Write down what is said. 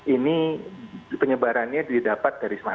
ini penyebarannya didapat dari